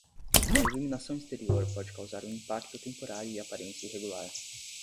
A iluminação exterior pode causar um impacto temporário e aparência irregular.